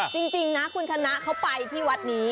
จริงนะคุณชนะเขาไปที่วัดนี้